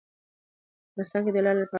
افغانستان کې د لعل په اړه زده کړه کېږي.